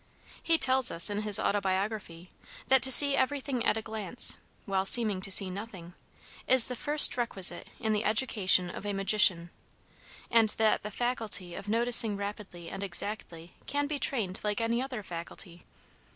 He tells us, in his autobiography, that to see everything at a glance, while seeming to see nothing, is the first requisite in the education of a "magician," and that the faculty of noticing rapidly and exactly can be trained like any other faculty.